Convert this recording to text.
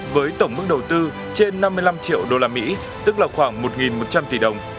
với tổng mức đầu tư trên năm mươi năm triệu usd tức là khoảng một một trăm linh tỷ đồng